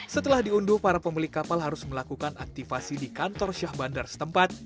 setelah diunduh para pemilik kapal harus melakukan aktifasi di kantor syah bandar setempat